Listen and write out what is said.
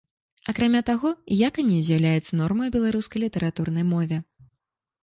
Акрамя таго, яканне з'яўляецца нормай у беларускай літаратурнай мове.